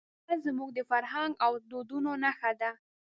وطن زموږ د فرهنګ او دودونو نښه ده.